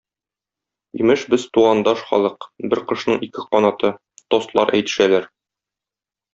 Имеш без тугандаш халык, бер кошның ике канаты, тостлар әйтешәләр.